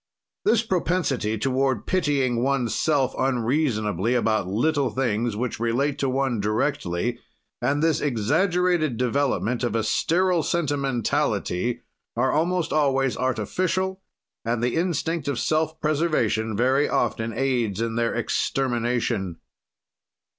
This propensity toward pitying oneself unreasonably about little things which relate to one directly and this exaggerated development of a sterile sentimentality are almost always artificial, and the instinct of self preservation very often aids in their extermination.